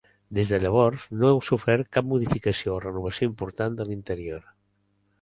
Des de llavors, no ha sofert cap modificació o renovació important de l'interior.